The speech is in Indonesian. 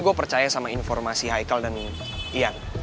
gue percaya sama informasi aikal dan ian